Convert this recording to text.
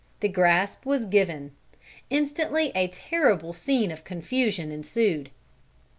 The grasp was given. Instantly a terrible scene of confusion ensued.